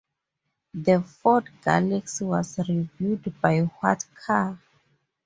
The Ford Galaxy was reviewed by What Car?